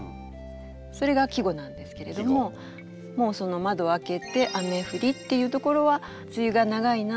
それが季語なんですけれどももうその「窓を開けて雨降り」っていうところは「梅雨が長いな」